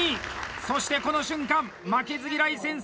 そして、この瞬間「負けず嫌い先生」